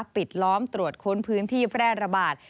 ปิดล้อมตรวจค้นพื้นที่แพร่ระบาด